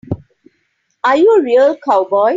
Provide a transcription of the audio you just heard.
Are you a real cowboy?